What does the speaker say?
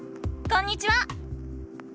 こんにちは！